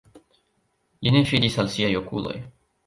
Li ne fidis al siaj okuloj.